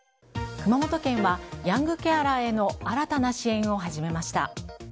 熊本県はヤングケアラーへの新たな支援を始めました。